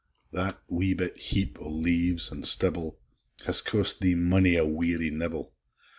That wee bit heap o' leaves an' stibble, Has cost thee mony a weary nibble!